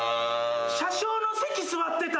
車掌の席座ってた。